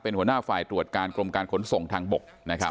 เป็นหัวหน้าฝ่ายตรวจการกรมการขนส่งทางบกนะครับ